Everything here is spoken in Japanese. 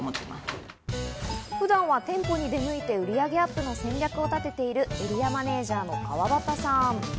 普段は店舗に出向いて売り上げアップの戦略を立てているエリアマネージャーの川畑さん。